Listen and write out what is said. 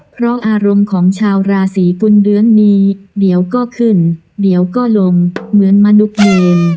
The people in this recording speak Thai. เพราะอารมณ์ของชาวราศีกุลเดือนนี้เดี๋ยวก็ขึ้นเดี๋ยวก็ลงเหมือนมนุษย์เพล